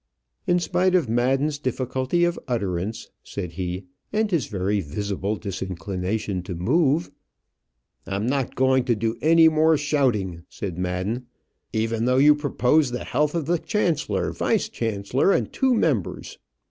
"In spite of Madden's difficulty of utterance," said he, "and his very visible disinclination to move " "I'm not going to do any more shouting," said Madden, "even though you propose the health of the chancellor, vice chancellor, and two members."